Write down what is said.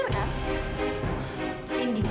aku sekarang membeli belahmu